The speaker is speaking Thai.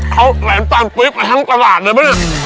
เขาแหลมตันปุ๊บไปทั้งตลาดเลยปะเนี่ย